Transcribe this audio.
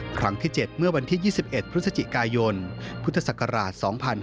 ครั้งที่๗เมื่อวันที่๒๑พฤศจิกายนพุทธศักราช๒๕๕๙